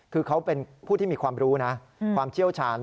คือเขาเป็นผู้ที่มีความรู้นะความเชี่ยวชาญ